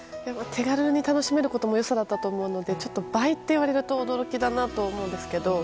手軽に楽しめることも良さだったと思うので倍っていわれると驚きだと思うんですが。